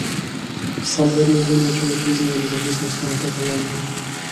Само една земја ќе ја признае независноста на Каталонија.